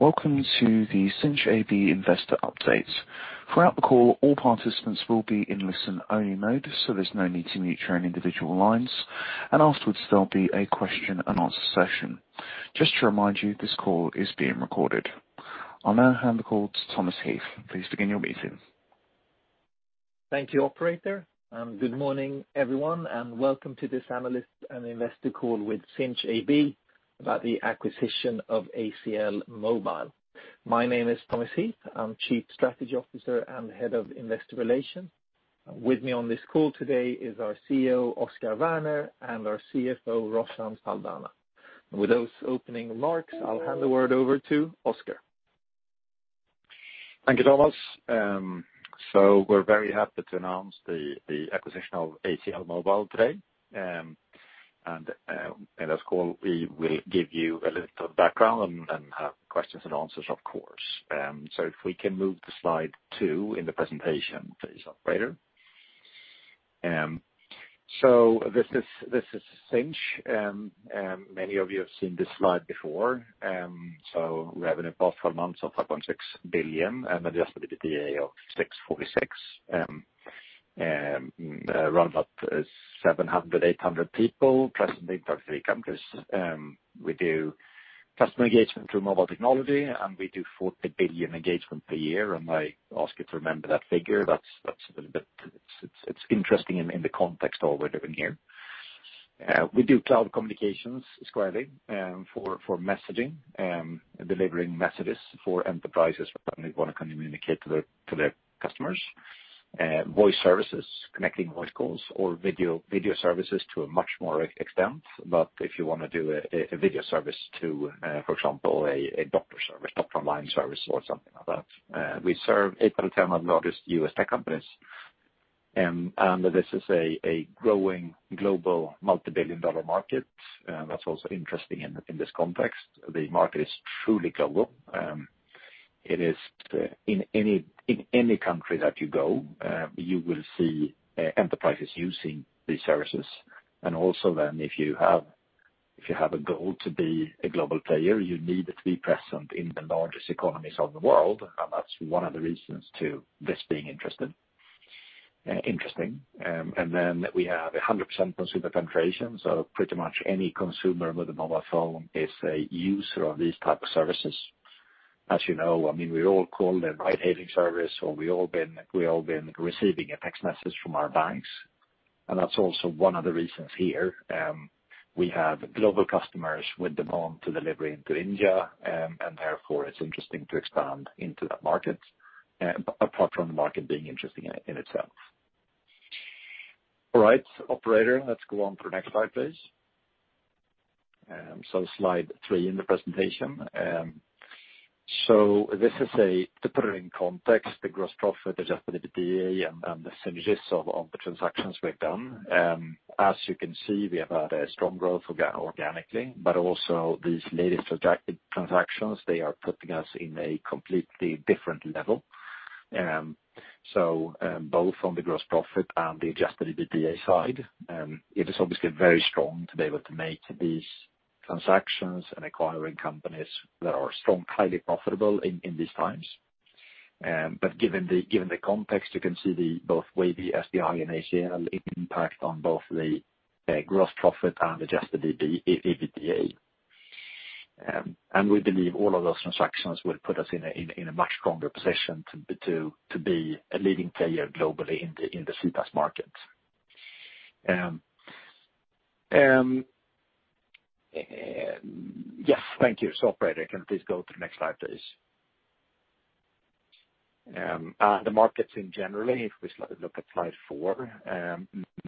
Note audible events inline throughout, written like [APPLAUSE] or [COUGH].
Welcome to the Sinch AB Investor Update. Throughout the call, all participants will be in listen-only mode, so there's no need to mute your own individual lines, and afterwards, there'll be a question and answer session. Just to remind you, this call is being recorded. I'll now hand the call to Thomas Heath. Please begin your meeting. Thank you, operator. Good morning, everyone, welcome to this analyst and investor call with Sinch AB about the acquisition of ACL Mobile. My name is Thomas Heath. I'm Chief Strategy Officer and Head of Investor Relations. With me on this call today is our CEO, Oscar Werner, and our CFO, Roshan Saldanha. With those opening remarks, I'll hand the word over to Oscar. Thank you, Thomas. We're very happy to announce the acquisition of ACL Mobile today. In this call, we will give you a little background and have questions and answers, of course. If we can move to slide two in the presentation, please, operator. This is Sinch. Many of you have seen this slide before. Revenue for 12 months of 5.6 billion and adjusted EBITDA of 646 million. Around about 700, 800 people present in 33 countries. We do customer engagement through mobile technology, and we do 40 billion engagements per year. I ask you to remember that figure. It's interesting in the context of what we're doing here. We do cloud communications squarely for messaging, delivering messages for enterprises when they want to communicate to their customers. Voice services, connecting voice calls or video services to a much more extent. If you want to do a video service to, for example, a doctor service, doctor online service or something like that. We serve eight out of 10 of the largest U.S. tech companies. This is a growing global multi-billion dollar market. That's also interesting in this context. The market is truly global. In any country that you go, you will see enterprises using these services. If you have a goal to be a global player, you need to be present in the largest economies of the world. That's one of the reasons to this being interesting. We have 100% consumer penetration, so pretty much any consumer with a mobile phone is a user of these type of services. As you know, we all call the ride-hailing service, or we all have been receiving a text message from our banks. That's also one of the reasons here. We have global customers with demand to deliver into India, and therefore, it's interesting to expand into that market, apart from the market being interesting in itself. All right, operator, let's go on to the next slide, please. Slide three in the presentation. To put it in context, the gross profit, adjusted EBITDA, and the synergies of the transactions we've done, as you can see, we have had a strong growth organically, but also these latest transactions, they are putting us in a completely different level. Both on the gross profit and the adjusted EBITDA side, it is obviously very strong to be able to make these transactions and acquiring companies that are strong, highly profitable in these times. Given the context, you can see both Wavy, SDI, and ACL impact on both the gross profit and adjusted EBITDA. We believe all of those transactions will put us in a much stronger position to be a leading player globally in the CPaaS market. Thank you. Operator, can you please go to the next slide, please? The markets in general, if we look at slide four,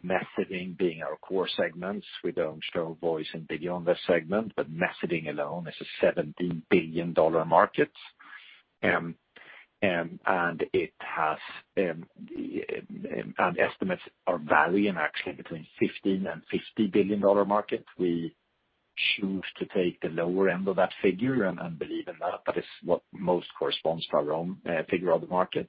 messaging being our core segment. We do not show voice and video on this segment, but messaging alone is a SEK 17 billion market, and estimates vary, actually between 15 billion and SEK 50 billion market. We choose to take the lower end of that figure and believe in that. That is what most corresponds to our own figure of the market.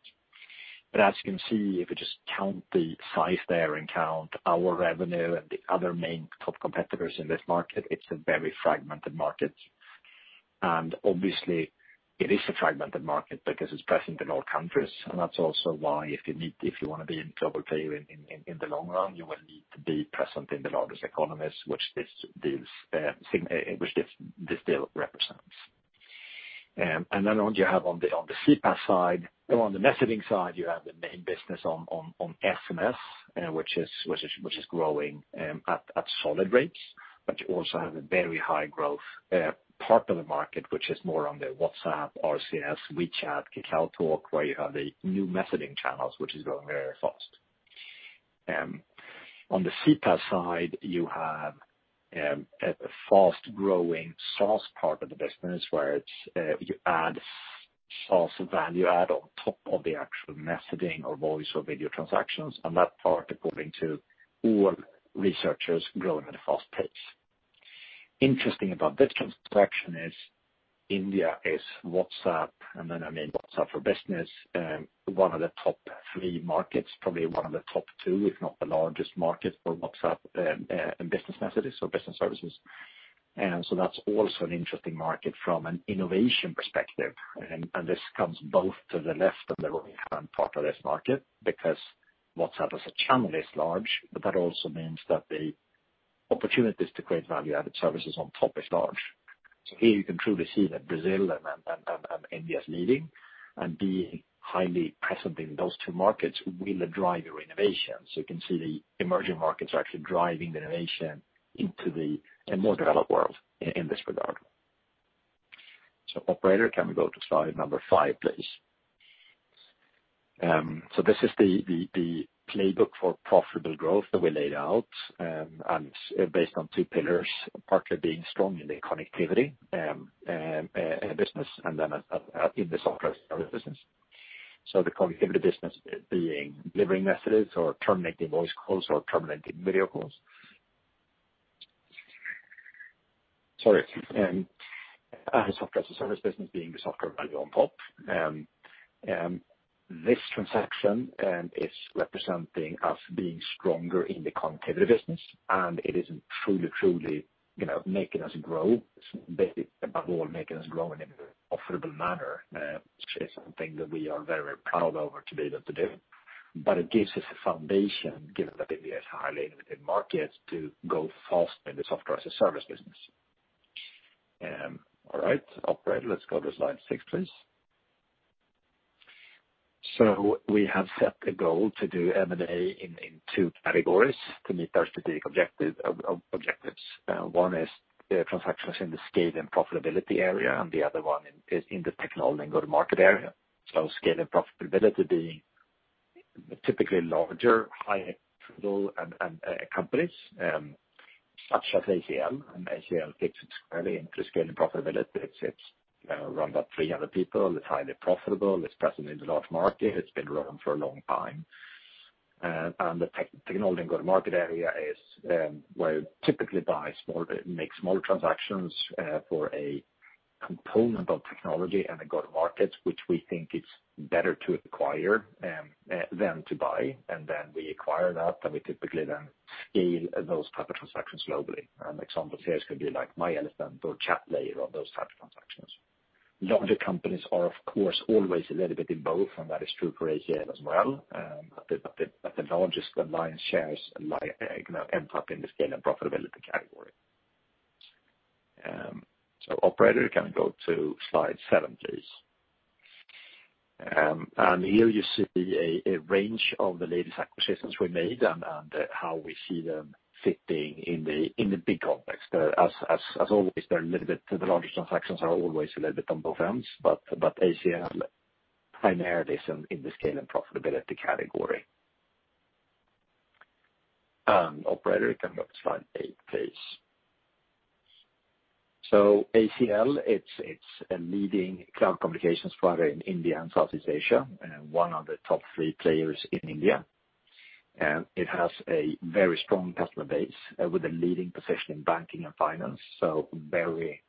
As you can see, if you just count the size there and count our revenue and the other main top competitors in this market, it is a very fragmented market. Obviously, it is a fragmented market because it is present in all countries. That is also why if you want to be a global player in the long run, you will need to be present in the largest economies, which this deal represents. Then on the messaging side, you have the main business on SMS, which is growing at solid rates. You also have a very high growth part of the market, which is more on the WhatsApp, RCS, WeChat, KakaoTalk, where you have the new messaging channels, which is growing very fast. On the CPaaS side, you have a fast-growing SaaS part of the business where you add SaaS value add on top of the actual messaging or voice or video transactions. That part, according to all researchers, growing at a fast pace. Interesting about this transaction is India is WhatsApp, and then, I mean WhatsApp for business, one of the top three markets, probably one of the top two, if not the largest market for WhatsApp in business messages, so business services. That's also an interesting market from an innovation perspective. This comes both to the left and the right-hand part of this market because WhatsApp as a channel is large, but that also means that the opportunities to create value-added services on top is large. Here you can truly see that Brazil and India is leading, and being highly present in those two markets will drive your innovation. You can see the emerging markets are actually driving the innovation into the more developed world in this regard. Operator, can we go to slide number five, please? This is the playbook for profitable growth that we laid out, and based on two pillars, partly being strong in the connectivity business, and then in the software as a service business. The connectivity business being delivering messages or terminating voice calls or terminating video calls. Sorry. Software as a service business being the software value on top. This transaction is representing us being stronger in the connectivity business, and it is truly making us grow, above all, making us grow in a profitable manner, which is something that we are very proud of to be able to do. All right. Operator, let's go to slide six, please. We have set a goal to do M&A in two categories to meet our strategic objectives. One is transactions in the scale and profitability area, and the other one is in the technology and go-to-market area. Scale and profitability being typically larger, high-end companies, such as ACL. ACL fits squarely into scale and profitability. It's around about 300 people. It's highly profitable. It's present in a large market. It's been around for a long time. The technology and go-to-market area is where we typically make small transactions for a component of technology and a go-to-market, which we think is better to acquire than to buy. We acquire that, and we typically then scale those type of transactions globally. An example here could be like myElefant or Chatlayer or those type of transactions. Larger companies are, of course, always a little bit in both, and that is true for ACL as well. The largest alliance shares end up in the scale and profitability category. Operator, can we go to slide seven, please. Here you see a range of the latest acquisitions we made and how we see them fitting in the big context. As always, the larger transactions are always a little bit on both ends, ACL primarily sit in the scale and profitability category. Operator, can we go to slide eight, please. ACL, it's a leading cloud communications provider in India and Southeast Asia, and one of the top three players in India. It has a very strong customer base with a leading position in banking and finance, very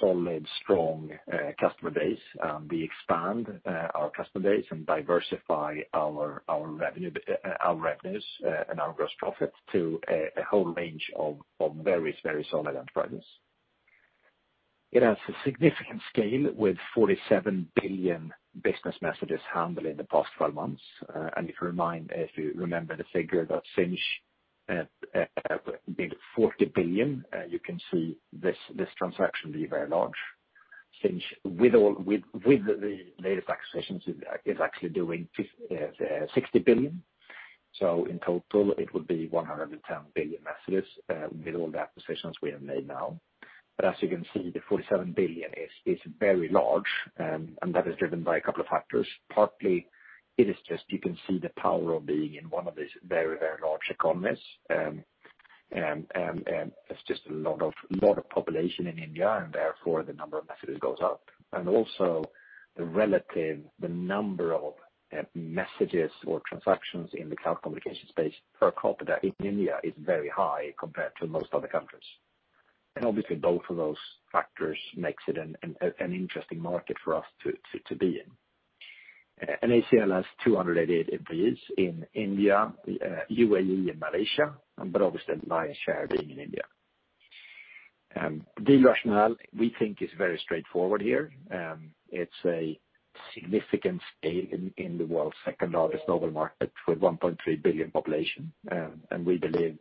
solid, strong customer base. We expand our customer base and diversify our revenues and our gross profit to a whole range of various very solid enterprises. It has a significant scale with 47 billion business messages handled in the past 12 months. If you remember the figure that Sinch at being 40 billion, you can see this transaction being very large. Sinch with the latest acquisitions, is actually doing 60 billion. In total, it would be 110 billion messages with all the acquisitions we have made now. As you can see, the 47 billion is very large, and that is driven by a couple of factors. Partly, it is just you can see the power of being in one of these very large economies. It's just a lot of population in India, and therefore, the number of messages goes up. Also the relative, the number of messages or transactions in the cloud communication space per capita in India is very high compared to most other countries. Obviously, both of those factors makes it an interesting market for us to be in. ACL has 288 employees in India, UAE, and Malaysia, but obviously the lion's share being in India. The rationale, we think, is very straightforward here. It's a significant scale in the world's second-largest mobile market with 1.3 billion population. We believe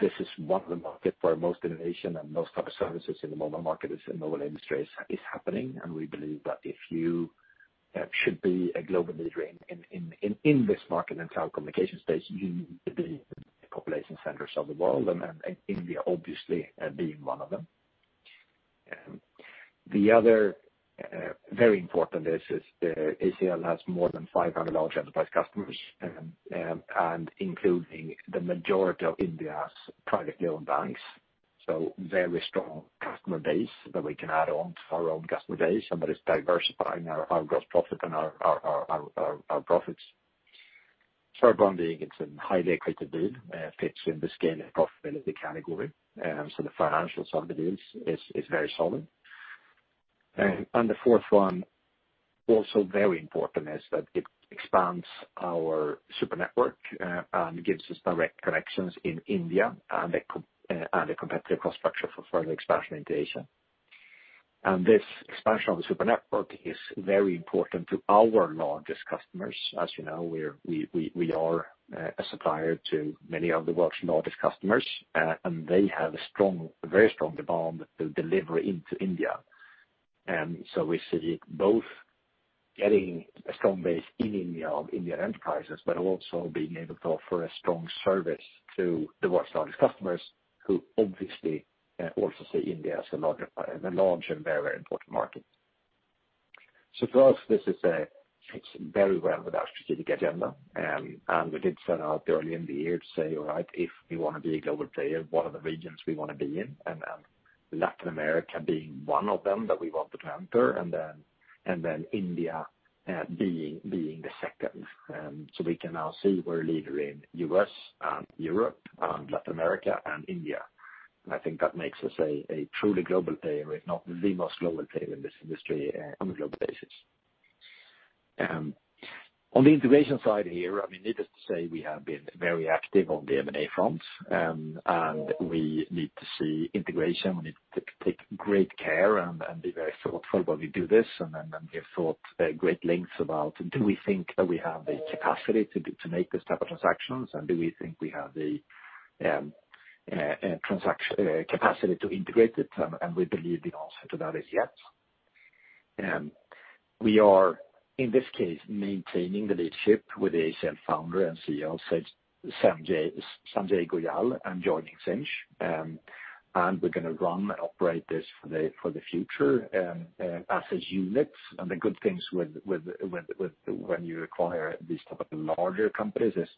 this is one of the markets where most innovation and most type of services in the mobile industries is happening. We believe that if you should be a global leader in this market, in cloud communication space, you need to be in the population centers of the world, and India obviously being one of them. The other very important is ACL has more than 500 large enterprise customers, including the majority of India's privately owned banks. Very strong customer base that we can add on to our own customer base, and that is diversifying our gross profit and our profits. Third one being it's a highly accretive deal, fits in the scale and profitability category. The financials of the deals is very solid. The fourth one, also very important, is that it expands our Super Network, and gives us direct connections in India, and a competitive cost structure for further expansion into Asia. This expansion of the Super Network is very important to our largest customers. As you know, we are a supplier to many of the world's largest customers, and they have a very strong demand to deliver into India. We see both getting a strong base in India of Indian enterprises, but also being able to offer a strong service to the world's largest customers, who obviously also see India as a large and very important market. For us, this fits very well with our strategic agenda. We did set out early in the year to say, "All right, if we want to be a global player, what are the regions we want to be in?" Latin America being one of them that we wanted to enter, and then India being the second. We can now see we're a leader in U.S., Europe, Latin America, and India. I think that makes us a truly global player, if not the most global player in this industry on a global basis. On the integration side here, needless to say, we have been very active on the M&A front, and we need to see integration. We need to take great care and be very thoughtful when we do this, and then we have thought great lengths about, do we think that we have the capacity to make this type of transactions? Do we think we have the capacity to integrate it? We believe the answer to that is yes. We are, in this case, maintaining the leadership with the ACL Founder and Chief Executive Officer, Sanjay Goyal, and joining Sinch. We're going to run and operate this for the future as a unit. The good things when you acquire these type of larger companies is,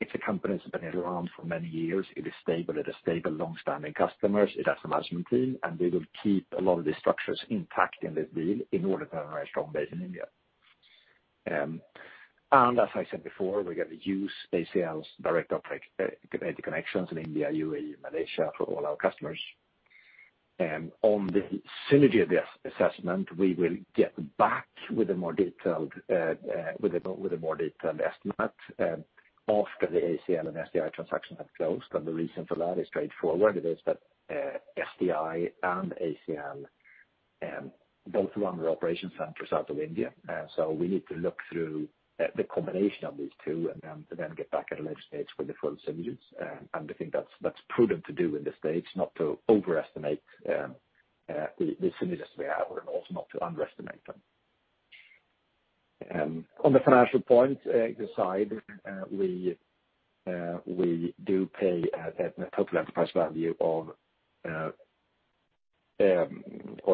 if the company's been around for many years, it is stable, it has stable, long-standing customers, it has a management team, and we will keep a lot of these structures intact in this deal in order to have a very strong base in India. As I said before, we're going to use ACL's direct operations and connections in India, UAE, Malaysia for all our customers. On the synergy of the assessment, we will get back with a more detailed estimate after the ACL and SDI transactions have closed. The reason for that is straightforward. It is that SDI and ACL both run their operations from south of India. We need to look through the combination of these two and then get back at a later stage with the full synergies. We think that's prudent to do in this stage, not to overestimate the synergies we have and also not to underestimate them. On the financial point, the side, we do pay a total enterprise value of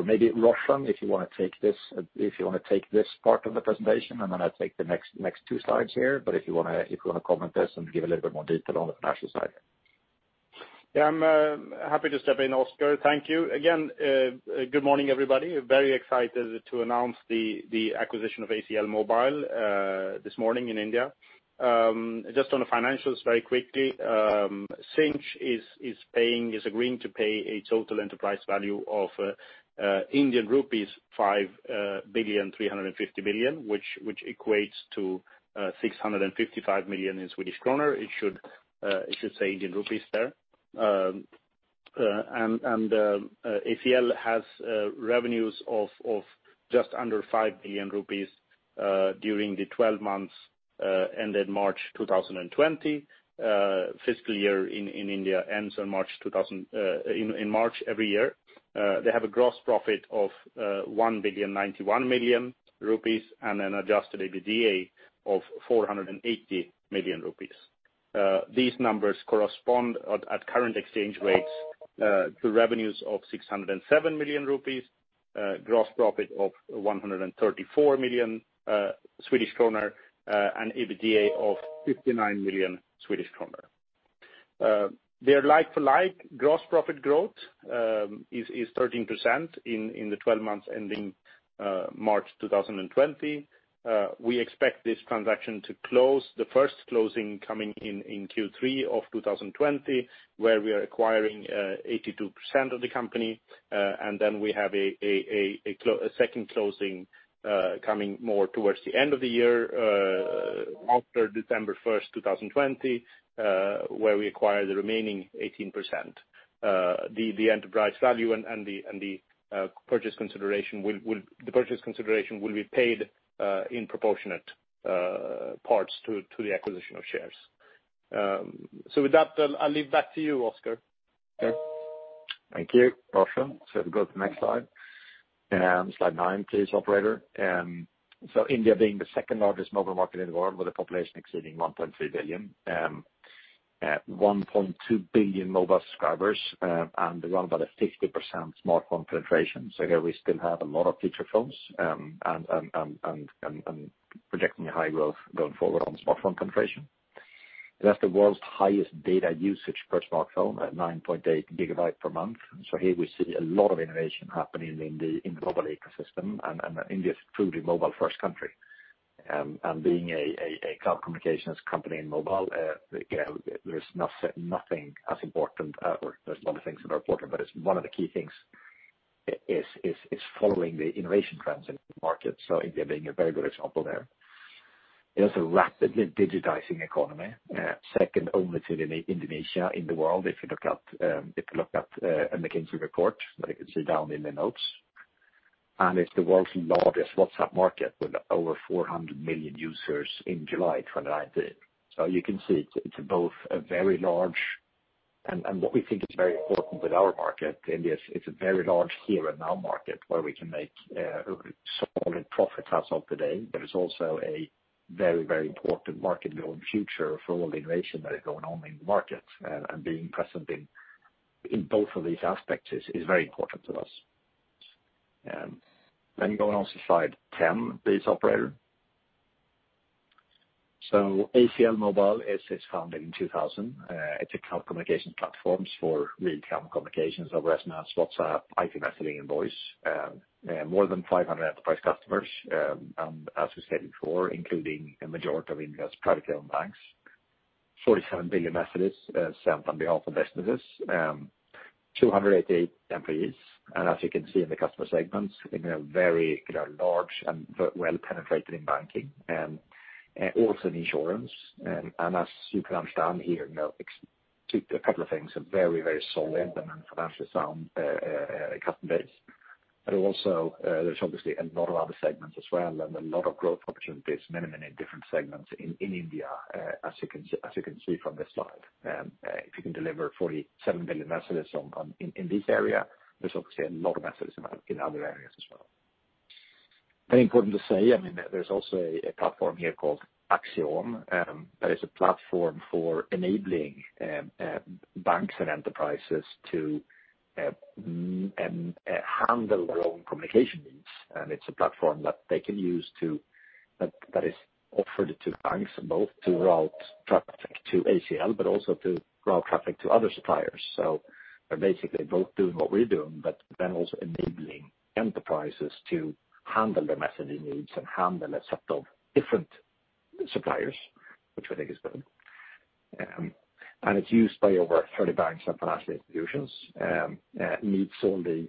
maybe Roshan, if you want to take this part of the presentation, and then I'll take the next two slides here. If you want to comment this and give a little bit more detail on the financial side. Yeah, I am happy to step in, Oscar. Thank you. Again, good morning, everybody. Very excited to announce the acquisition of ACL Mobile this morning in India. Just on the financials, very quickly. Sinch is agreeing to pay a total enterprise value of Indian rupees 5 billion, 350 million, which equates to 655 million. It should say Indian rupees there. ACL has revenues of just under 5 billion rupees during the 12 months ended March 2020. Fiscal year in India ends in March every year. They have a gross profit of 1 billion, 91 million and an adjusted EBITDA of 480 million rupees. These numbers correspond at current exchange rates to revenues of 607 million rupees, gross profit of 134 million Swedish kronor, and EBITDA of 59 million Swedish kronor. Their like-to-like gross profit growth is 13% in the 12 months ending March 2020. We expect this transaction to close, the first closing coming in Q3 of 2020, where we are acquiring 82% of the company. We have a second closing coming more towards the end of the year after December 1st, 2020, where we acquire the remaining 18%. The enterprise value and the purchase consideration will be paid in proportionate parts to the acquisition of shares. With that, I'll leave back to you, Oscar. Okay. Thank you, Roshan. We go to the next slide. Slide nine, please, operator. India being the second-largest mobile market in the world with a population exceeding 1.3 billion, 1.2 billion mobile subscribers and around about a 50% smartphone penetration. Here we still have a lot of feature phones, and projecting a high growth going forward on smartphone penetration. It has the world's highest data usage per smartphone at 9.8 GB per month. Here we see a lot of innovation happening in the mobile ecosystem and India is truly mobile first country. Being a cloud communications company in mobile, there's nothing as important, or there's a lot of things that are important, but one of the key things is following the innovation trends in the market. India being a very good example there. It is a rapidly digitizing economy, second only to Indonesia in the world, if you look at a McKinsey report that you can see down in the notes. It's the world's largest WhatsApp market, with over 400 million users in July 2019. You can see, it's both a very large, and what we think is very important with our market, India, it's a very large here and now market where we can make solid profits as of today, but it's also a very important market going future for all the innovation that is going on in the market. Being present in both of these aspects is very important to us. Going on to slide 10, please, operator. ACL Mobile is founded in 2000. It's a cloud communication platforms for real-time communications over SMS, WhatsApp, IP messaging, and voice. More than 500 enterprise customers, as we said before, including a majority of India's private-owned banks. 47 billion messages sent on behalf of businesses, 288 employees. As you can see in the customer segments, in a very large and well penetrated in banking and also in insurance. As you can understand here, a couple of things, a very solid and financially sound customer base. Also, there's obviously a lot of other segments as well and a lot of growth opportunities, many different segments in India, as you can see from this slide. If you can deliver 47 billion messages in this area, there's obviously a lot of messages in other areas as well. Very important to say, there's also a platform here called Axiom, that is a platform for enabling banks and enterprises to handle their own communication needs. It's a platform that is offered to banks, both to route traffic to ACL, but also to route traffic to other suppliers. They're basically both doing what we're doing, but also enabling enterprises to handle their messaging needs and handle a set of different suppliers, which we think is good. It's used by over 30 banks and financial institutions. Meets all the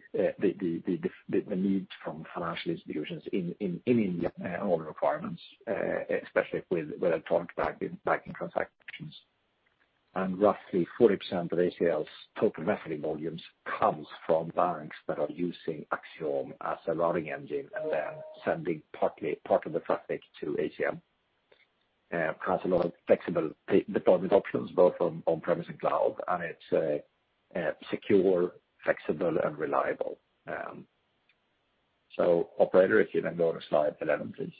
needs from financial institutions in India and all the requirements, especially with regard to banking transactions. Roughly 40% of ACL's total messaging volumes comes from banks that are using Axiom as a routing engine, and then sending part of the traffic to ACL. Has a lot of flexible deployment options, both on premise and cloud, and it's secure, flexible, and reliable. Operator, if you go to slide 11, please.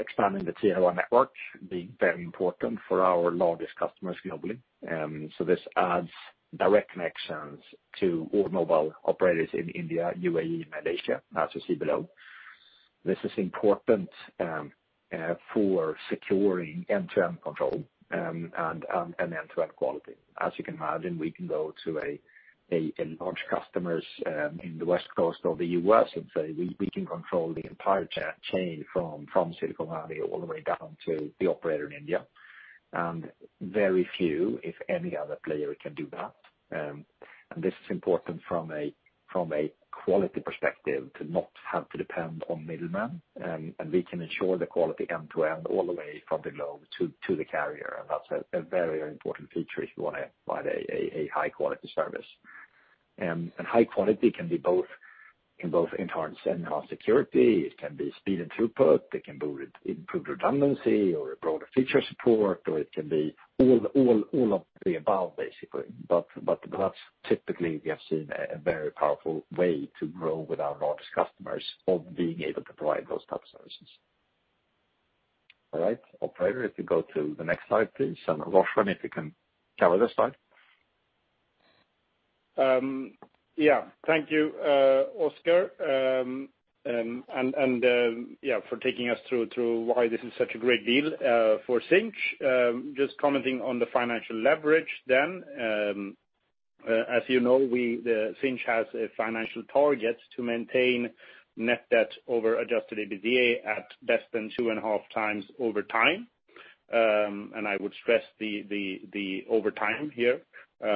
Expanding the Super Network, being very important for our largest customers globally. This adds direct connections to all mobile operators in India, UAE, and Malaysia, as you see below. This is important for securing end-to-end control and end-to-end quality. As you can imagine, we can go to large customers in the West Coast of the U.S. and say, we can control the entire chain from Silicon Valley all the way down to the operator in India. Very few, if any other player can do that. This is important from a quality perspective to not have to depend on middlemen. We can ensure the quality end-to-end all the way from the globe to the carrier. That's a very important feature if you want to provide a high-quality service. High quality can be both end-to-end security, it can be speed and throughput, it can be improved redundancy or broader feature support, or it can be all of the above. That's typically, we have seen a very powerful way to grow with our largest customers of being able to provide those types of services. All right. Operator, if you go to the next slide, please. Roshan, if you can cover the slide. Yeah. Thank you, Oscar, for taking us through why this is such a great deal for Sinch. Just commenting on the financial leverage then. As you know, Sinch has a financial target to maintain net debt over adjusted EBITDA at less than 2.5x over time. I would stress the over time here. As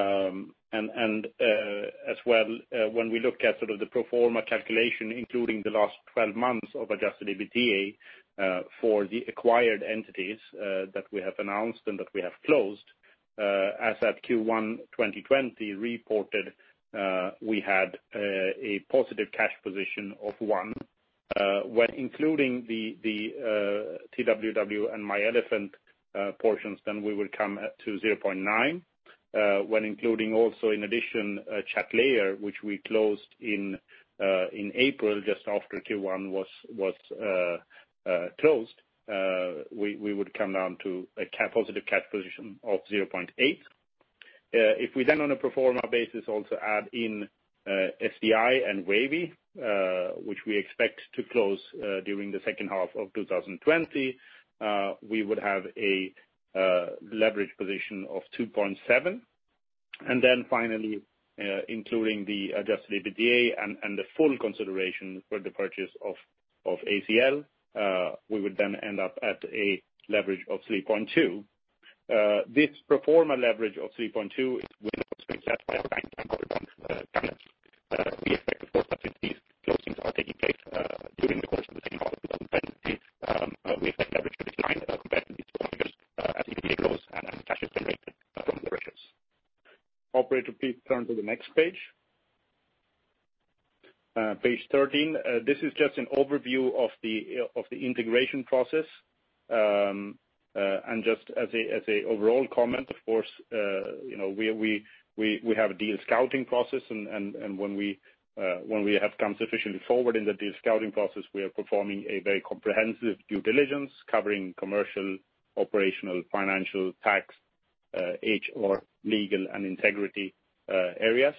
well, when we look at sort of the pro forma calculation, including the last 12 months of adjusted EBITDA for the acquired entities that we have announced and that we have closed. As at Q1 2020 reported, we had a positive cash position of one. When including the TWW and myElefant portions, we will come to 0.9. When including also in addition Chatlayer, which we closed in April just after Q1 was closed, we would come down to a positive cash position of 0.8. If we then on a pro forma basis also add in SDI and Wavy, which we expect to close during the second half of 2020, we would have a leverage position of 2.7. Then finally, including the adjusted EBITDA and the full consideration for the purchase of ACL, we would then end up at a leverage of 3.2. This pro forma leverage of 3.2 is well within set by our bank and other bond covenants. [AUDIO DISTORTION] We expect, of course, that since these closings are taking place during the course of the second quarter 2020, we expect leverage to decline compared to these two figures as EBITDA grows and as cash is generated from the ratios. Operator, please turn to the next page. Page 13. This is just an overview of the integration process. Just as a overall comment, of course, we have a deal scouting process, and when we have come sufficiently forward in the deal scouting process, we are performing a very comprehensive due diligence covering commercial, operational, financial, tax, HR, legal, and integrity areas.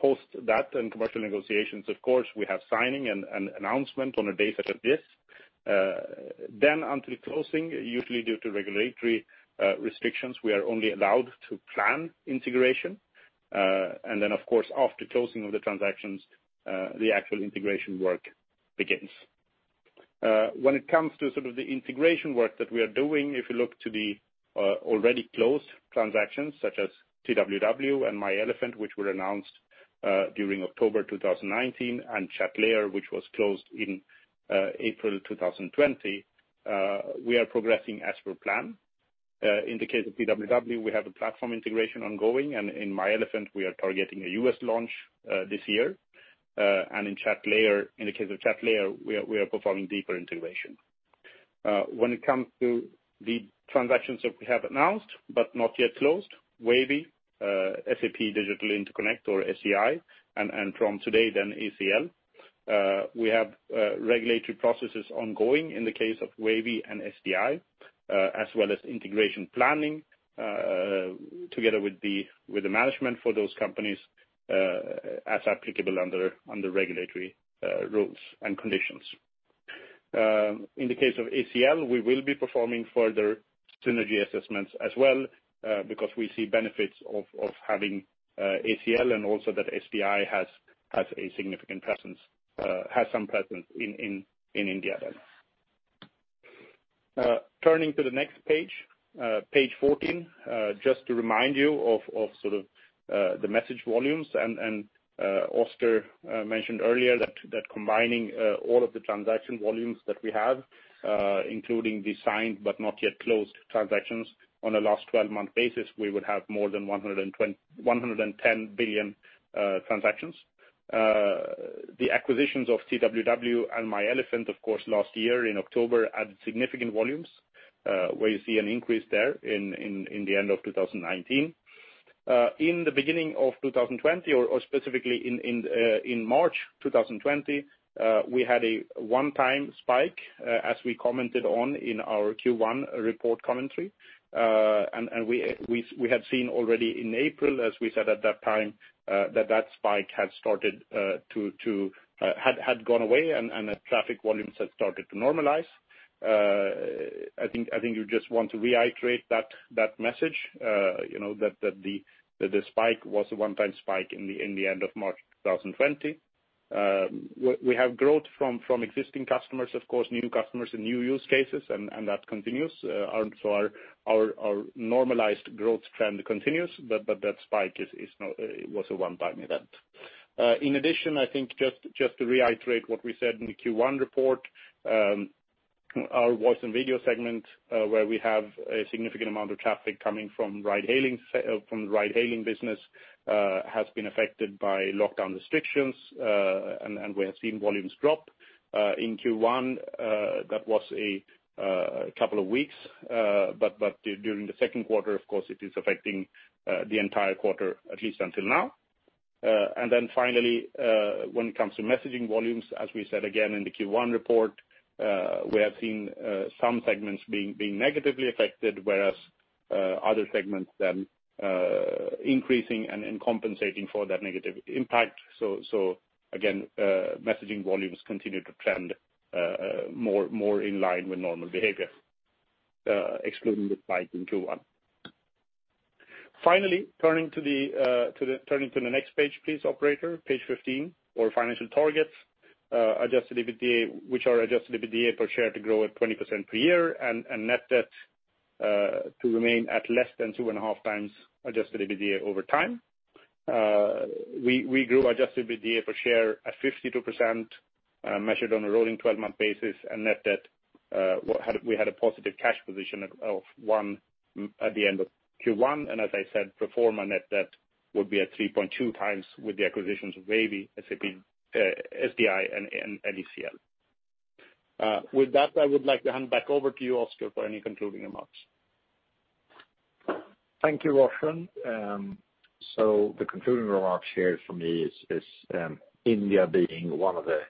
Post that, in commercial negotiations, of course, we have signing and announcement on a day such as this. Until closing, usually due to regulatory restrictions, we are only allowed to plan integration. Of course, after closing of the transactions, the actual integration work begins. When it comes to the integration work that we are doing, if you look to the already closed transactions, such as TWW and myElefant, which were announced during October 2019, and Chatlayer, which was closed in April 2020, we are progressing as per plan. In the case of TWW, we have a platform integration ongoing, and in myElefant, we are targeting a U.S. launch this year. In the case of Chatlayer, we are performing deeper integration. When it comes to the transactions that we have announced but not yet closed, Wavy, SAP Digital Interconnect or SDI, and from today then ACL. We have regulatory processes ongoing in the case of Wavy and SDI, as well as integration planning together with the management for those companies as applicable under regulatory rules and conditions. In the case of ACL, we will be performing further synergy assessments as well, because we see benefits of having ACL and also that SDI has some presence in India then. Turning to the next page 14, just to remind you of the message volumes and Oscar mentioned earlier that combining all of the transaction volumes that we have, including the signed but not yet closed transactions on a last 12-month basis, we would have more than 110 billion transactions. The acquisitions of TWW and myElefant, of course, last year in October, added significant volumes, where you see an increase there in the end of 2019. In the beginning of 2020 or specifically in March 2020, we had a one-time spike, as we commented on in our Q1 report commentary. We had seen already in April, as we said at that time, that spike had gone away and that traffic volumes had started to normalize. I think you just want to reiterate that message, that the spike was a one-time spike in the end of March 2020. We have growth from existing customers, of course, new customers and new use cases, and that continues. Our normalized growth trend continues, but that spike was a one-time event. In addition, I think just to reiterate what we said in the Q1 report, our voice and video segment, where we have a significant amount of traffic coming from ride-hailing business, has been affected by lockdown restrictions, and we have seen volumes drop. In Q1, that was a couple of weeks, but during the second quarter, of course, it is affecting the entire quarter, at least until now. Finally, when it comes to messaging volumes, as we said again in the Q1 report, we have seen some segments being negatively affected, whereas other segments then increasing and compensating for that negative impact. Again, messaging volumes continue to trend more in line with normal behavior, excluding the spike in Q1. Turning to the next page, please, operator, page 15, our financial targets, which are adjusted EBITDA per share to grow at 20% per year and net debt to remain at less than 2.5x adjusted EBITDA over time. We grew adjusted EBITDA per share at 52%, measured on a rolling 12-month basis and net debt, we had a positive cash position of one at the end of Q1, and as I said, pro forma net debt would be at 3.2x with the acquisitions of Wavy, SDI, and ACL. I would like to hand back over to you, Oscar, for any concluding remarks. Thank you, Roshan. The concluding remarks here for me is India being one of the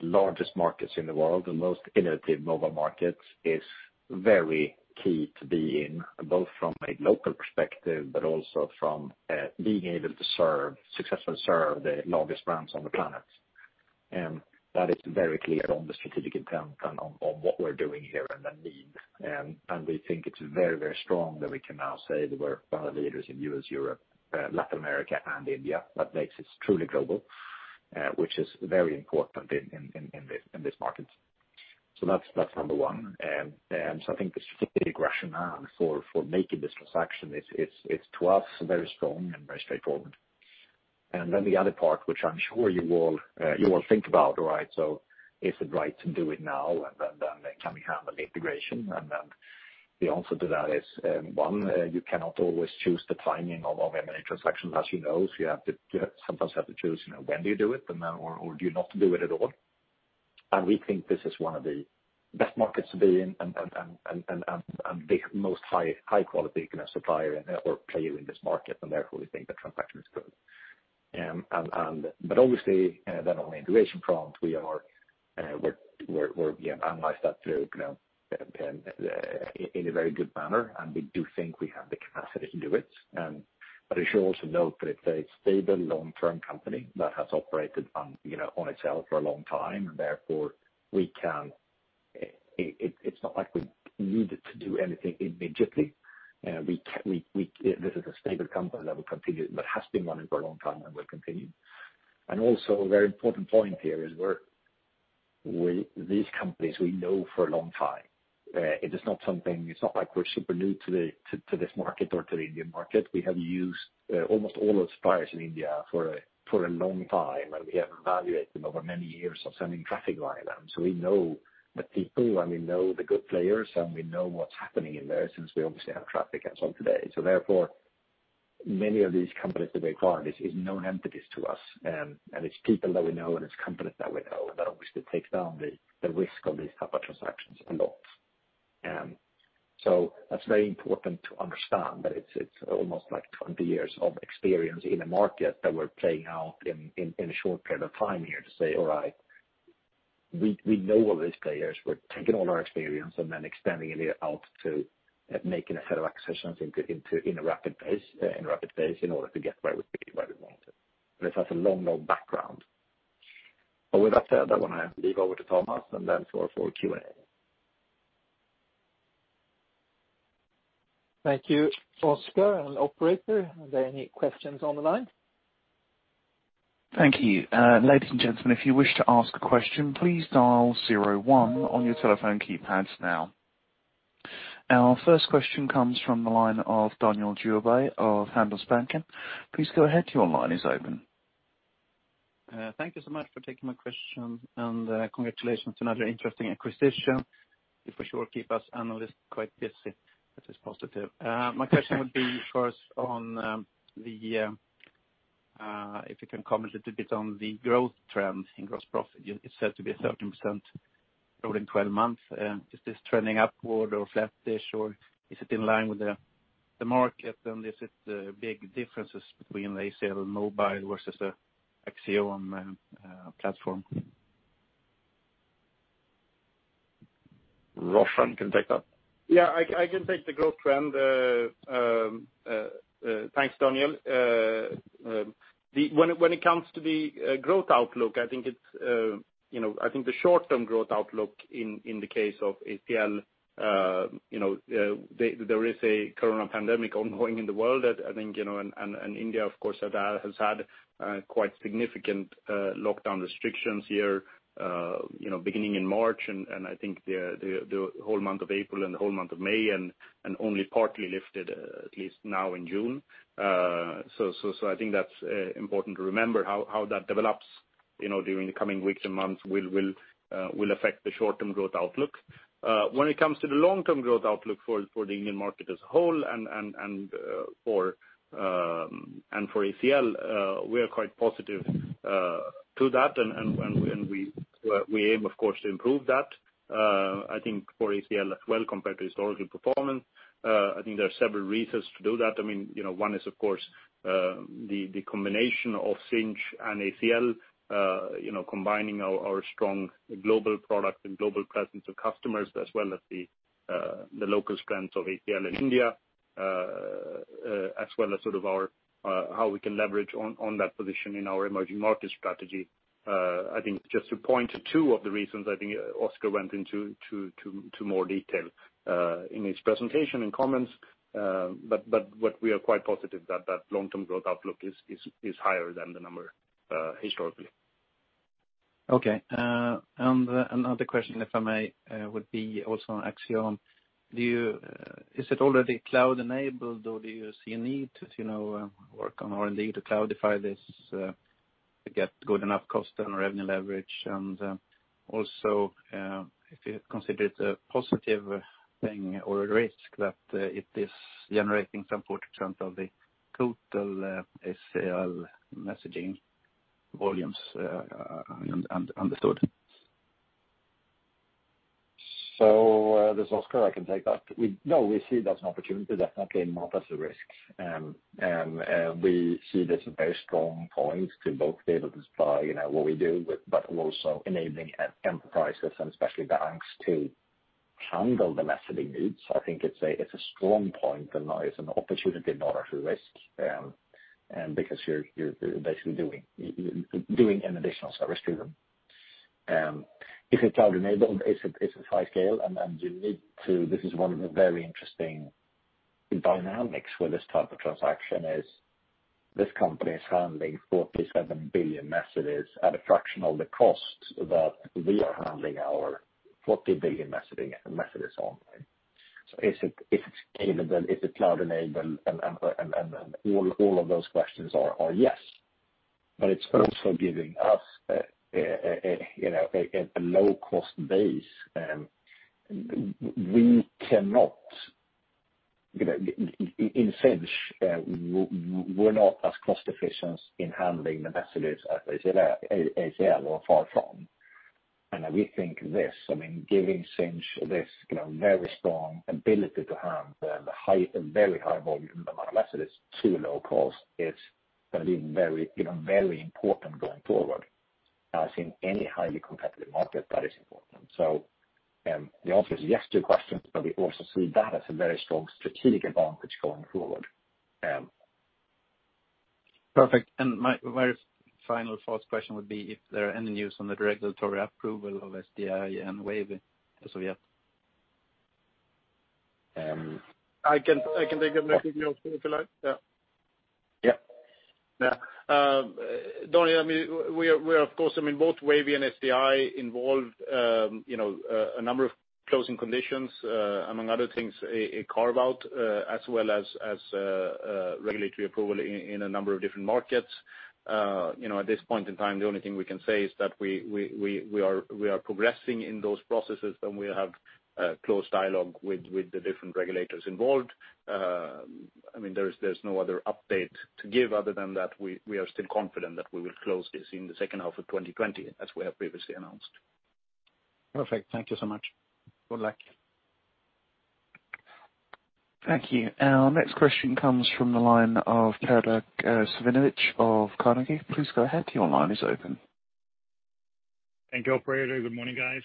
largest markets in the world and most innovative mobile markets is very key to be in, both from a local perspective, but also from being able to successfully serve the largest brands on the planet, and that is very clear on the strategic intent and on what we're doing here and the need. We think it's very strong that we can now say that we're one of the leaders in U.S., Europe, Latin America and India. That makes us truly global, which is very important in this market. That's number one. I think the strategic rationale for making this transaction is, to us, very strong and very straightforward. The other part, which I'm sure you all think about, right? Is it right to do it now? Can we handle the integration? The answer to that is, one, you cannot always choose the timing of M&A transactions, as you know. Sometimes you have to choose when do you do it or do you not do it at all. We think this is one of the best markets to be in and the most high quality supplier or player in this market, and therefore we think the transaction is good. Obviously, then on the integration front, we analyze that in a very good manner, and we do think we have the capacity to do it. I should also note that it's a stable long-term company that has operated on its own for a long time, and therefore, it's not like we need to do anything immediately. This is a stable company that has been running for a long time and will continue. Also a very important point here is these companies we know for a long time. It's not like we're super new to this market or to the Indian market. We have used almost all those suppliers in India for a long time, and we have evaluated them over many years of sending traffic via them. We know the people, and we know the good players, and we know what's happening in there since we obviously have traffic and so on today. Therefore, many of these companies that we acquired is known entities to us, and it's people that we know, and it's companies that we know, and that obviously takes down the risk of these type of transactions a lot. That's very important to understand that it's almost 20 years of experience in a market that we're playing out in a short period of time here to say, all right, we know all these players. We're taking all our experience then extending it out to making a set of acquisitions in a rapid pace in order to get where we want it. This has a long background. With that said, I want to leave over to Thomas and then for Q&A. Thank you, Oscar and operator. Are there any questions on the line? Thank you. Ladies and gentlemen, if you wish to ask a question, please dial zero one on your telephone keypads now. Our first question comes from the line of Daniel Djurberg of Handelsbanken. Please go ahead, your line is open. Thank you so much for taking my question. Congratulations on another interesting acquisition. You for sure keep us analysts quite busy. That is positive. My question would be first, if you can comment a little bit on the growth trend in gross profit. It's said to be a 30% growth in 12 months. Is this trending upward or flat-ish, or is it in line with the market? Is it big differences between ACL Mobile versus the Axiom platform? Roshan can take that. Yeah, I can take the growth trend. Thanks, Daniel. When it comes to the growth outlook, I think the short-term growth outlook in the case of ACL, there is a corona pandemic ongoing in the world. India, of course, has had quite significant lockdown restrictions here beginning in March, and I think the whole month of April and the whole month of May, and only partly lifted at least now in June. I think that's important to remember how that develops during the coming weeks and months will affect the short-term growth outlook. When it comes to the long-term growth outlook for the Indian market as a whole and for ACL, we are quite positive to that, and we aim, of course, to improve that. I think for ACL as well, compared to historical performance, I think there are several reasons to do that. One is, of course, the combination of Sinch and ACL, combining our strong global product and global presence of customers as well as the local strengths of ACL in India, as well as how we can leverage on that position in our emerging market strategy. I think just to point to two of the reasons, I think Oscar went into more detail in his presentation and comments. We are quite positive that long-term growth outlook is higher than the number historically. Okay. Another question, if I may, would be also on Axiom. Is it already cloud-enabled or do you see a need to work on R&D to cloudify this to get good enough cost and revenue leverage? If you consider it a positive thing or a risk that it is generating some 40% of the total ACL messaging volumes understood? This is Oscar, I can take that. We see that as an opportunity definitely more than a risk. We see this very strong point to both be able to supply what we do, but also enabling enterprises and especially banks to handle the messaging needs. I think it's a strong point and now it's an opportunity, not actually risk, because you're basically doing an additional service to them. If it's cloud-enabled, it's high scale. This is one of the very interesting dynamics with this type of transaction is this company is handling 47 billion messages at a fraction of the cost that we are handling our 40 billion messaging messages online. Is it scalable? Is it cloud-enabled? All of those questions are, yes. It's also giving us a low-cost base. In Sinch, we're not as cost efficient in handling the messages as ACL or far from. We think this, giving Sinch this very strong ability to have the very high volume, the amount of messages to low cost, it's going to be very important going forward. As in any highly competitive market, that is important. The answer is yes to your questions, but we also see that as a very strong strategic advantage going forward. Perfect. My very final, fourth question would be if there are any news on the regulatory approval of SDI and Wavy as of yet? I can take it, if you like. Yeah. Yeah. Yeah. Daniel, we are, of course, both Wavy and SDI involved a number of closing conditions, among other things, a carve-out, as well as regulatory approval in a number of different markets. At this point in time, the only thing we can say is that we are progressing in those processes, and we have close dialogue with the different regulators involved. There's no other update to give other than that we are still confident that we will close this in the second half of 2020 as we have previously announced. Perfect. Thank you so much. Good luck. Thank you. Our next question comes from the line of Pavel Svinenyi of Carnegie. Please go ahead. Your line is open. Thank you, operator. Good morning, guys.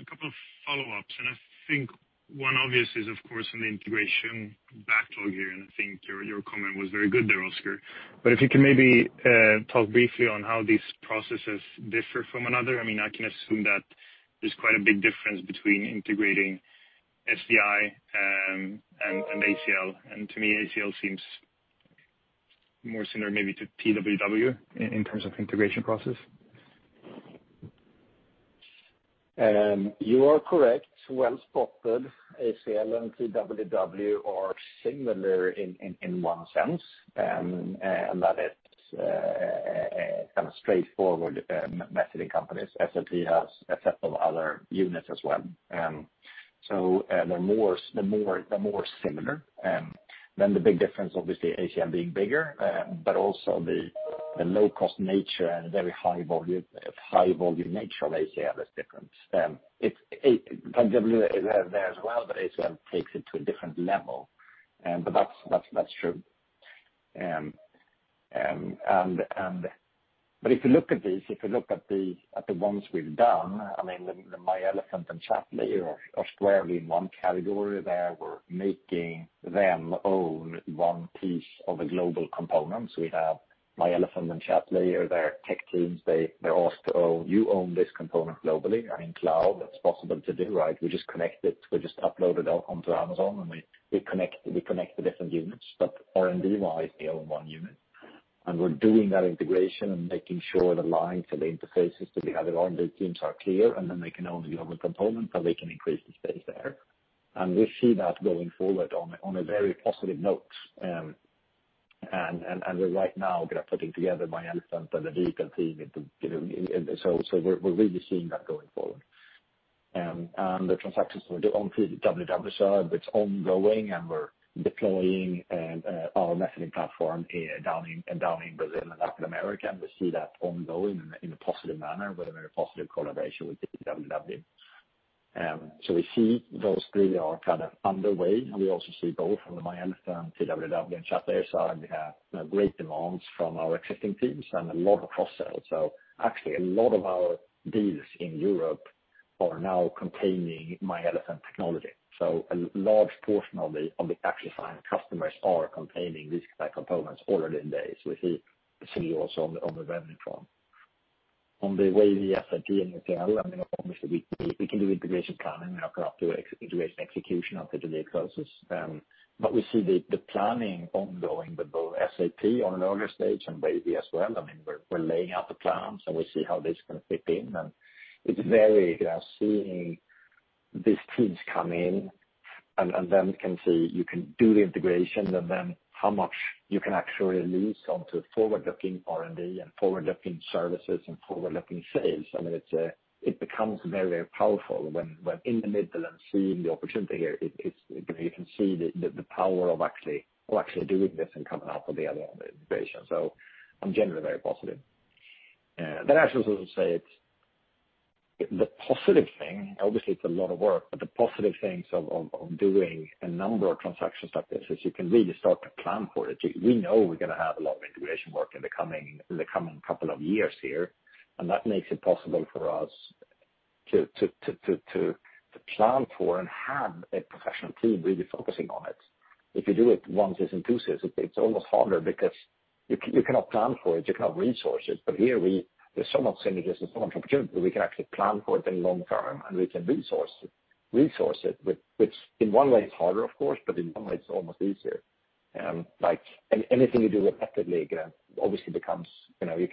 A couple of follow-ups, and I think one obvious is, of course, on the integration backlog here, and I think your comment was very good there, Oscar. If you can maybe talk briefly on how these processes differ from another. I can assume that there's quite a big difference between integrating SDI, and ACL, and to me, ACL seems more similar maybe to TWW in terms of integration process. You are correct. Well spotted. ACL and TWW are similar in one sense, and that it's a kind of straightforward messaging companies. SDI has a set of other units as well. They're more similar. The big difference, obviously, ACL being bigger, but also the low-cost nature and very high volume nature of ACL is different. TWW is there as well, but ACL takes it to a different level. That's true. If you look at these, if you look at the ones we've done, myElefant and Chatlayer are squarely in one category there. We're making them own one piece of a global component. We have myElefant and Chatlayer are their tech teams. They ask, "You own this component globally in cloud." That's possible to do, right? We just connect it, we just upload it onto Amazon, and we connect the different units. R&D-wise, they own one unit. We're doing that integration and making sure the lines and the interfaces to the other R&D teams are clear, and then they can own the global component, and they can increase the space there. We see that going forward on a very positive note. We're right now putting together myElefant and the Wavy team. We're really seeing that going forward. The transactions on TWW side, it's ongoing, and we're deploying our messaging platform down in Brazil and Latin America. We see that ongoing in a positive manner with a very positive collaboration with TWW. We see those three are kind of underway, and we also see both on the myElefant, TWW, and Chatlayer side, we have great demands from our existing teams and a lot of cross-sell. Actually, a lot of our deals in Europe are now containing myElefant technology. A large portion of the actual customers are containing these type of components already in there. We see also on the revenue front. On the way the SLT and ACL, obviously, we can do integration planning after integration execution after the deal closes. We see the planning ongoing with both SLT on an earlier stage and Wavy as well. We're laying out the plans, and we see how this can fit in, and it's very seeing these teams come in, and then we can see you can do the integration and then how much you can actually lose onto forward-looking R&D and forward-looking services and forward-looking sales. It becomes very powerful when in the middle and seeing the opportunity here, you can see the power of actually doing this and coming out on the other end of the integration. I'm generally very positive. I should also say the positive thing, obviously, it's a lot of work, but the positive things of doing a number of transactions like this is you can really start to plan for it. We know we're going to have a lot of integration work in the coming couple of years here, and that makes it possible for us to plan for and have a professional team really focusing on it. If you do it once as intrusive, it's almost harder because you cannot plan for it, you cannot resource it. Here, there's so much synergies and so much opportunity, we can actually plan for it in long term, and we can resource it, which in one way is harder, of course, but in one way, it's almost easier. Anything you do repetitively obviously becomes, you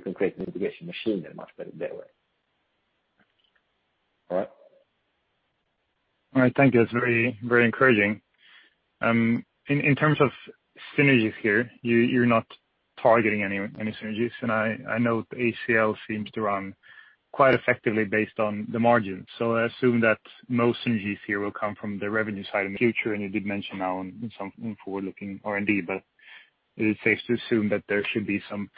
can create an integration machine in a much better way. All right? All right. Thank you. That is very encouraging. In terms of synergies here, you are not targeting any synergies, and I know ACL seems to run quite effectively based on the margin. I assume that most synergies here will come from the revenue side in the future, and you did mention now in some forward-looking R&D, but is it safe to assume that there should be some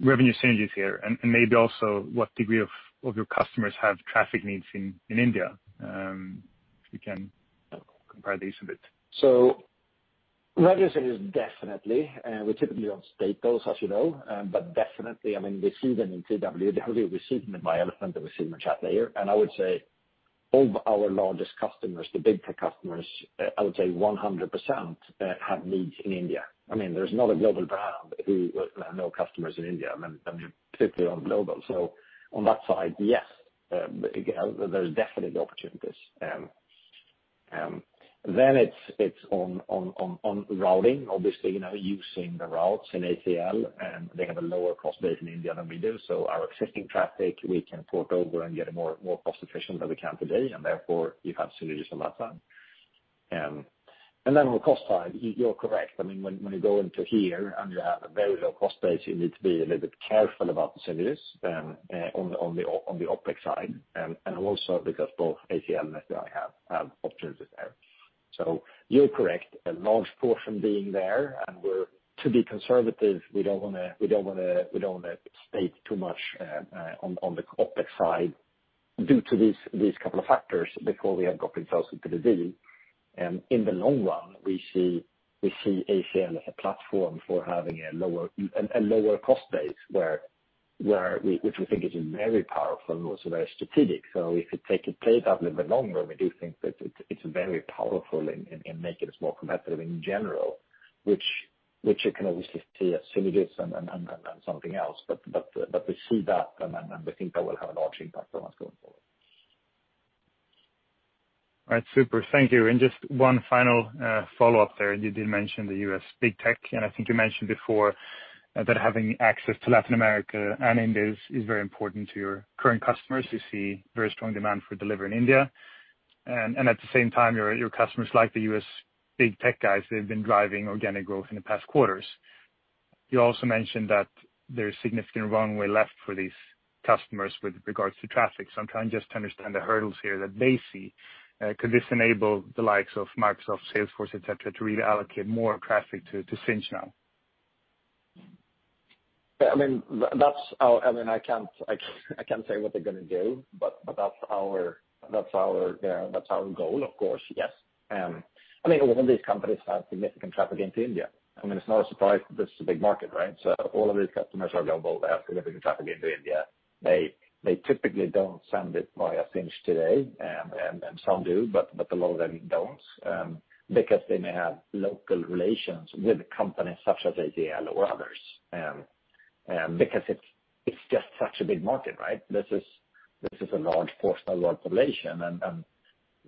revenue synergies here? Maybe also what degree of your customers have traffic needs in India? If you can compare these a bit. Revenue synergies, definitely. We typically don't state those, as you know. Definitely, we see them in TWW. We see them in Wavy, and we see them in Chatlayer. I would say all of our largest customers, the big tech customers, I would say 100% have needs in India. There's not a global brand who have no customers in India, particularly on global. On that side, yes. There's definitely opportunities. It's on routing, obviously, using the routes in ACL, and they have a lower cost base in India than we do. Our existing traffic, we can port over and get more cost efficient than we can today, and therefore, you have synergies on that side. On the cost side, you're correct. When you go into here and you have a very low cost base, you need to be a little bit careful about the synergies on the OpEx side, and also because both ACL and SDI have opportunities there. You're correct, a large portion being there, and to be conservative, we don't want to state too much on the OpEx side due to these couple of factors before we have got themselves into the deal. In the long run, we see ACL as a platform for having a lower cost base, which we think is very powerful and also very strategic. If you take a play that little bit longer, we do think that it's very powerful in making us more competitive in general, which you can obviously see as synergies and something else. We see that, and we think that will have a large impact for us going forward. All right. Super. Thank you. Just one final follow-up there. You did mention the U.S. big tech, and I think you mentioned before that having access to Latin America and India is very important to your current customers. You see very strong demand for delivery in India. At the same time, your customers, like the U.S. big tech guys, they've been driving organic growth in the past quarters. You also mentioned that there is significant runway left for these customers with regards to traffic. I'm trying just to understand the hurdles here that they see. Could this enable the likes of Microsoft, Salesforce, et cetera, to reallocate more traffic to Sinch now? I can't say what they're going to do, but that's our goal, of course, yes. All these companies have significant traffic into India. It's not a surprise. This is a big market, right? All of these customers are global. They have significant traffic into India. They typically don't send it via Sinch today, and some do, but a lot of them don't, because they may have local relations with companies such as ACL or others. It's just such a big market, right? This is a large portion of our population, and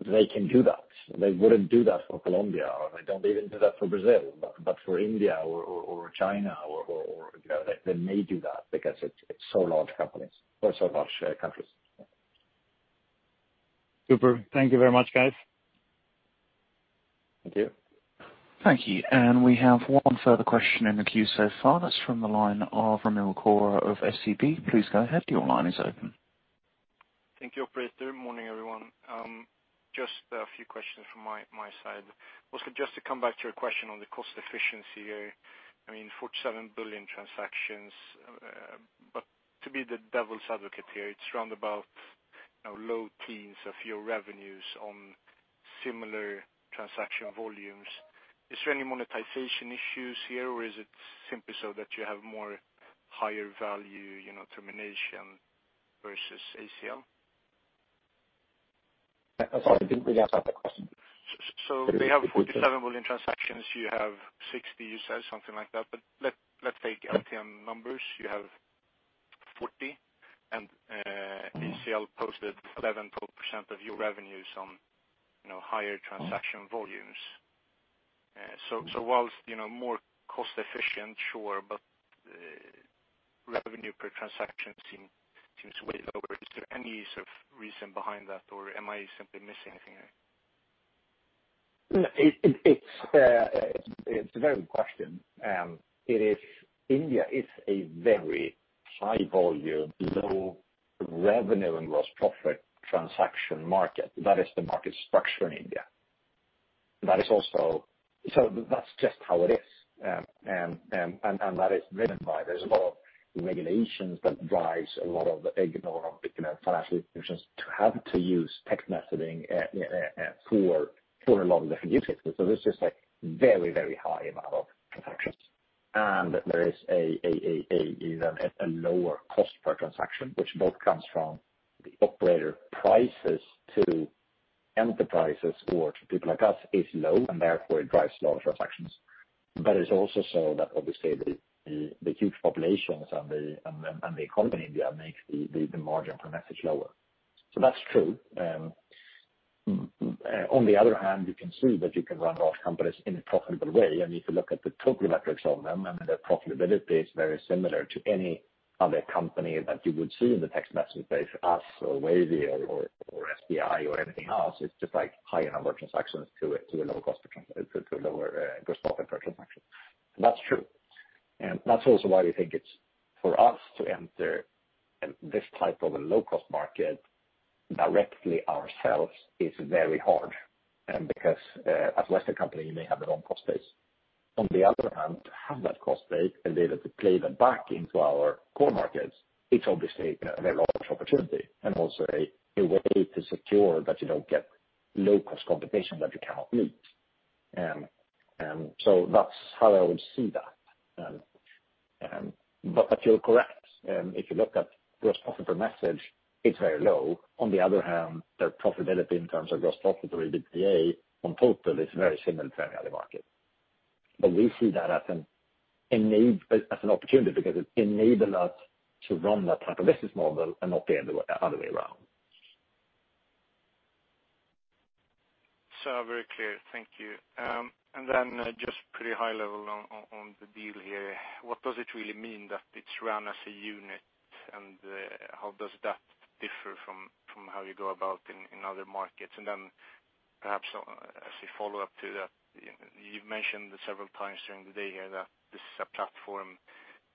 they can do that. They wouldn't do that for Colombia, or they don't even do that for Brazil. For India or China, they may do that because it's so large countries. Super. Thank you very much, guys. Thank you. Thank you. We have one further question in the queue so far. That's from the line of Ramil Koria of SEB. Please go ahead. Your line is open. Thank you, operator. Morning, everyone. Just a few questions from my side. Also, just to come back to your question on the cost efficiency here. 47 billion transactions, but to be the devil's advocate here, it's round about low teens of your revenues on similar transaction volumes. Is there any monetization issues here, or is it simply so that you have more higher value termination versus ACL? I'm sorry, could you please ask that question? They have 47 billion transactions. You have 60, you said, something like that. Let's take LTM numbers. You have 40, and ACL posted 11%, 12% of your revenues on higher transaction volumes. Whilst more cost efficient, sure, but revenue per transaction seems way lower. Is there any sort of reason behind that, or am I simply missing anything here? It's a very good question. India is a very high volume, low revenue and gross profit transaction market. That is the market structure in India. That's just how it is. That is driven by, there's a lot of regulations that drives a lot of the inflow of financial institutions to have to use text messaging for a lot of their use cases. It's just a very high amount of transactions. There is even a lower cost per transaction, which both comes from the operator prices to enterprises or to people like us is low, and therefore it drives a lot of transactions. It's also so that, obviously, the huge populations and the economy in India makes the margin per message lower. That's true. On the other hand, you can see that you can run both companies in a profitable way. If you look at the total metrics of them and their profitability, it's very similar to any other company that you would see in the text message space, us or Wavy or SDI or anything else, it's just high number of transactions to a lower cost per transaction. That's true. That's also why we think it's for us to enter this type of a low-cost market directly ourselves is very hard. Because as Western company, you may have the wrong cost base. On the other hand, to have that cost base and be able to play that back into our core markets, it's obviously a very large opportunity, and also a way to secure that you don't get low-cost competition that you cannot meet. That's how I would see that. You're correct. If you look at gross profit per message, it's very low. On the other hand, their profitability in terms of gross profit or EBITDA on total is very similar to any other market. We see that as an opportunity because it enable us to run that type of business model and not the other way around. Very clear. Thank you. Then just pretty high level on the deal here. What does it really mean that it's run as a unit? How does that differ from how you go about in other markets? Then perhaps as a follow-up to that, you've mentioned several times during the day here that this is a platform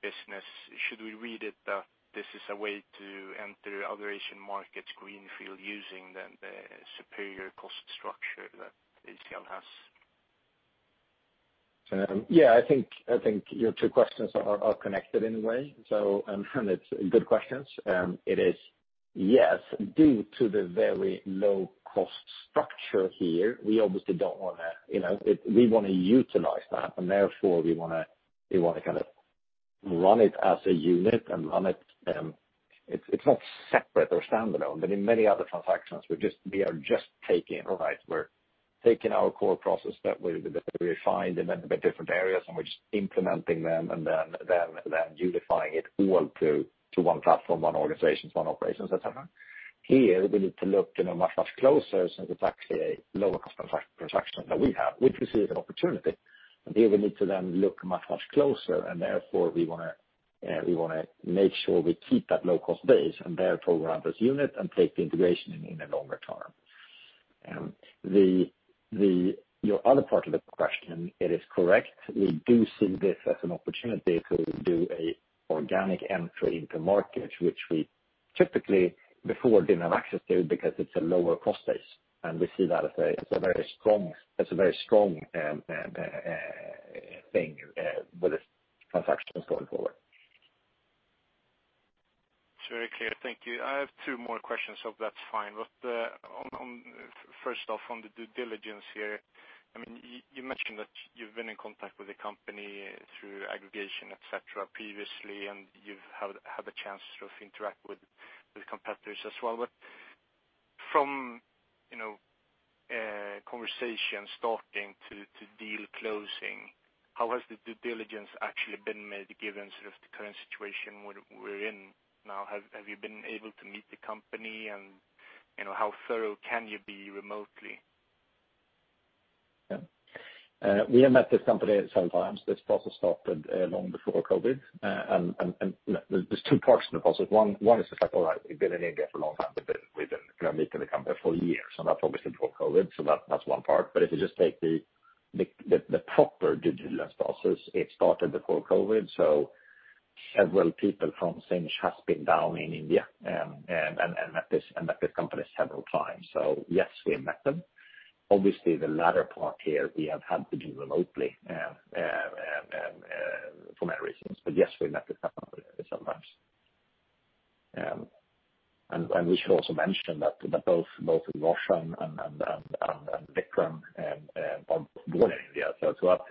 business. Should we read it that this is a way to enter other Asian markets greenfield using the superior cost structure that ACL has? Yeah, I think your two questions are connected in a way. It's good questions. It is, yes, due to the very low-cost structure here, we obviously wanna utilize that, and therefore we wanna run it as a unit and run it. It's not separate or standalone, but in many other transactions, we are just taking, all right, we're taking our core process that we refined in a bit different areas, and we're just implementing them and then unifying it all to one platform, one organization, one operations, et cetera. Here we need to look much closer since it's actually a lower cost per transaction than we have, which we see as an opportunity. Here we need to then look much, much closer and therefore we want to make sure we keep that low-cost base and therefore run as a unit and take the integration in a longer term. Your other part of the question, it is correct. We do see this as an opportunity to do a organic entry into market, which we typically before didn't have access to because it's a lower cost base, and we see that as a very strong thing with transactions going forward. It's very clear. Thank you. I have two more questions, hope that's fine. First off, on the due diligence here. You mentioned that you've been in contact with the company through aggregation, et cetera, previously, and you've had a chance to interact with competitors as well. From conversation starting to deal closing, how has the due diligence actually been made, given the current situation we're in now? Have you been able to meet the company, and how thorough can you be remotely? Yeah. We have met this company several times. This process started long before COVID, and there's two parts to the process. One is just like, all right, we've been in India for a long time. We've been meeting the company for years, and that's obviously before COVID. That's one part. If you just take the proper due diligence process, it started before COVID. Several people from Sinch has been down in India, and met this company several times. Yes, we have met them. Obviously, the latter part here we have had to do remotely for many reasons. Yes, we've met the company several times. We should also mention that both Roshan and Vikram were born in India. To us,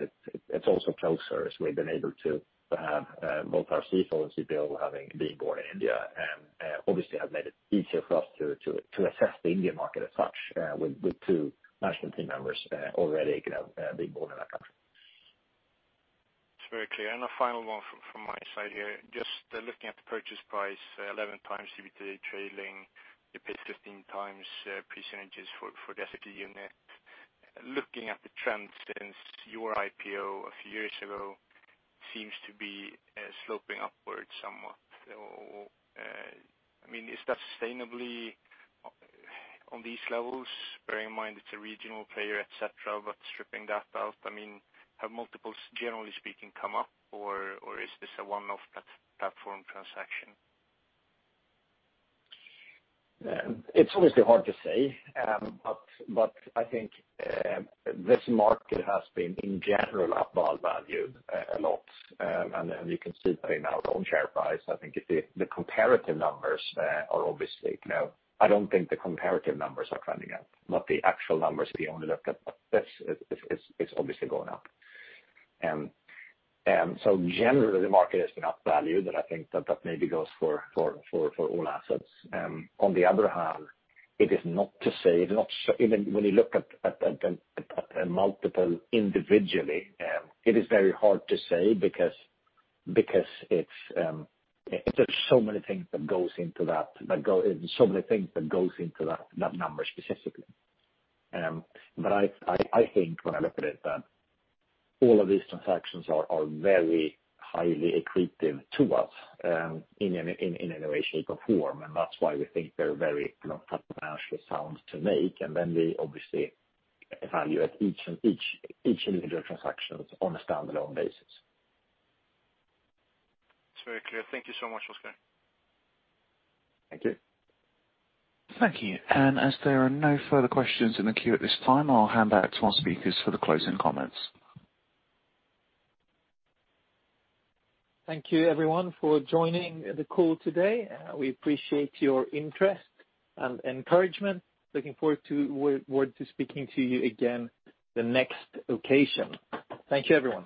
it's also closer as we've been able to have both our CFO and CTO having been born in India, obviously have made it easier for us to assess the India market as such, with two management team members already being born in that country. It's very clear. A final one from my side here, just looking at the purchase price, 11x EBITDA trailing, you paid 15x percent growth for the entity unit. Looking at the trends since your IPO a few years ago seems to be sloping upwards somewhat. Is that sustainably on these levels, bearing in mind it's a regional player, et cetera, stripping that out, have multiples generally speaking come up or is this a one-off platform transaction? It's obviously hard to say, but I think this market has been, in general, up-valued a lot. You can see that in our own share price. I don't think the comparative numbers are trending up, not the actual numbers we only looked at, but this is obviously going up. Generally, the market has been up-valued, and I think that that maybe goes for all assets. On the other hand, it is not to say, even when you look at the multiple individually, it is very hard to say because there's so many things that goes into that number specifically. I think when I look at it, that all of these transactions are very highly accretive to us in any shape or form, and that's why we think they're very financially sound to make. We obviously evaluate each individual transactions on a standalone basis. It's very clear. Thank you so much, Oscar. Thank you. Thank you. As there are no further questions in the queue at this time, I'll hand back to our speakers for the closing comments. Thank you everyone for joining the call today. We appreciate your interest and encouragement. Looking forward to speaking to you again the next occasion. Thank you, everyone.